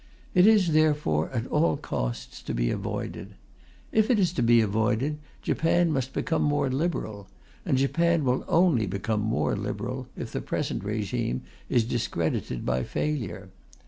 It is therefore, at all costs, to be avoided. If it is to be avoided, Japan must become more liberal; and Japan will only become more liberal if the present régime is discredited by failure.